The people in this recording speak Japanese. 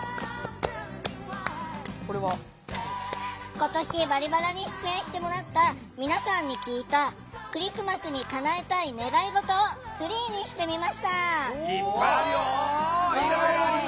今年「バリバラ」に出演してもらった皆さんに聞いた「クリスマスにかなえたい願い事」をツリーにしてみました。